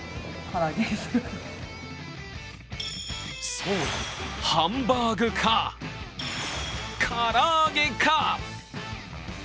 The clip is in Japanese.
そう、ハンバークか、から揚げか。